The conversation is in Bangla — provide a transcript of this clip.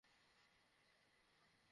আমি জানতাম না।